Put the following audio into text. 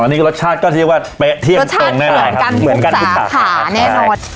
อันนี้ก็รสชาติก็ถือว่าป๊ะเที่ยงตรงรสชาติต่ำกันทุกสาขาแน่นอน